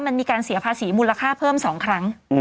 มันมีการเสียภาษีมูลค่าเพิ่ม๒ครั้ง